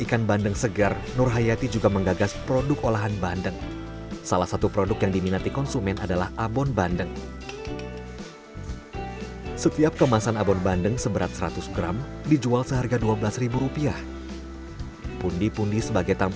sebagian lagi dijadikan bibit